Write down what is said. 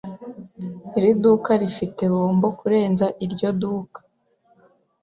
Iri duka rifite bombo kurenza iryo duka. (saeb)